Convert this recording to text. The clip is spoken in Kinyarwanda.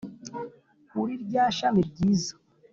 kuri rya shami ryiza’